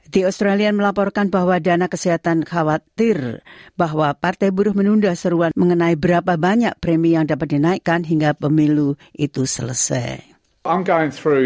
di australia melaporkan bahwa dana kesehatan khawatir bahwa partai buruh menunda seruan mengenai berapa banyak premi yang dapat dinaikkan hingga pemilu itu selesai